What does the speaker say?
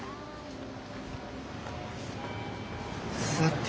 さて